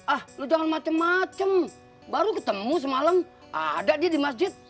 ah lu jangan macem macem baru ketemu semalem ada dia di masjid